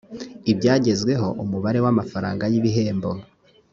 ibyagezweho umubare w amafaranga y ibihembo